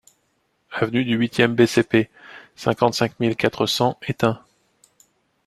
Avenue du huit e B.C.P., cinquante-cinq mille quatre cents Étain